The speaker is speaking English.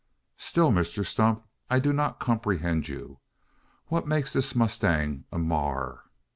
"Still, Mr Stump, I do not comprehend you. What makes this mustang a ma a r?"